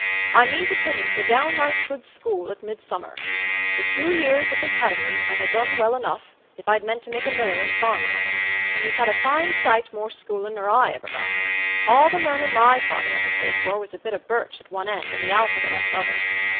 I mean to put him to a downright good school at Midsummer. The two years at th' academy 'ud ha' done well enough, if I'd meant to make a miller and farmer of him, for he's had a fine sight more schoolin' nor I ever got. All the learnin' my father ever paid for was a bit o' birch at one end and the alphabet at th' other.